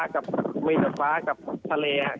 ก็มีแต่ฟ้ากับทะเลครับ